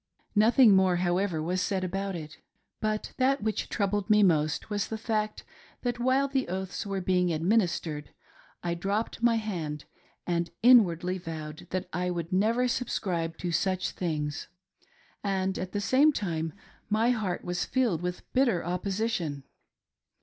Nothing more, however, was said about it. But that which troubled hie most was the fact that while the oaths were being administered, I dropped my hand and inwardly vowed that I would never subscribe to such things, and at the same time my heart was filled with bitter opposition.